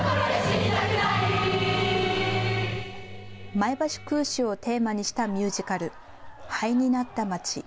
前橋空襲をテーマにしたミュージカル、灰になった街。